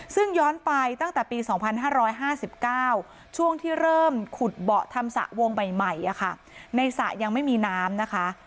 ซึ่งย้อนไปตั้งแต่ปี๒๕๕๙ช่วงที่เริ่มขุดเบาะทำสระวงใหม่ในสระยังไม่มีน้ำนะคะ